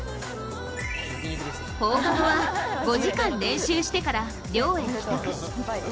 放課後は５時間練習してから寮へ帰宅。